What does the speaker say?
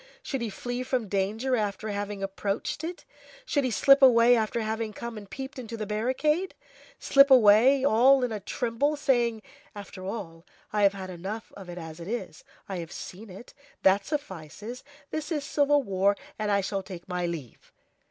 should he flee from danger after having approached it? should he slip away after having come and peeped into the barricade? slip away, all in a tremble, saying: "After all, I have had enough of it as it is. I have seen it, that suffices, this is civil war, and I shall take my leave!"